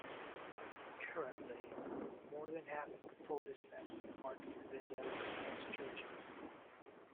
Currently, more than half of the Protestants are part of evangelical house churches.